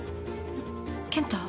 健太？